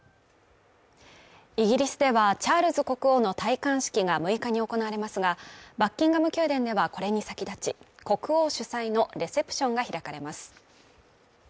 イギリスではチャールズ国王の戴冠式が６日に行われますが、バッキンガム宮殿ではこれに先立ち国王主催のレセプションが開かれます。